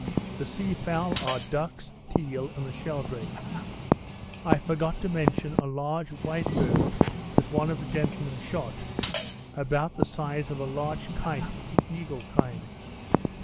The sea fowl are ducks, teal, and the sheldrake. I forgot to mention a large white bird, that one of the gentlemen shot, about the size of a large kite of the eagle kind.